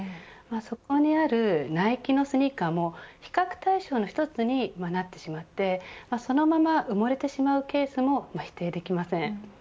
そこにあるナイキのスニーカーも比較対象の１つになってしまってそのまま埋もれてしまうケースも否定できません。